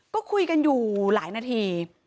ก็คุยกันอยู่หลายนาที